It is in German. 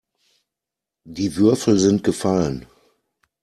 Die Würfel sind gefallen.